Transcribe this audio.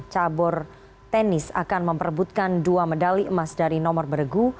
cabur tenis akan memperebutkan dua medali emas dari nomor bergu